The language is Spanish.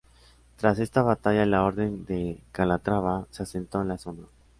Tras esta batalla la Orden de Calatrava se asentó en la zona.